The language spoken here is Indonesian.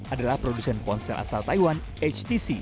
adalah produsen ponsel asal taiwan htc